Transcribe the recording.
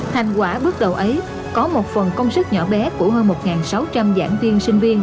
thành quả bước đầu ấy có một phần công sức nhỏ bé của hơn một sáu trăm linh giảng viên sinh viên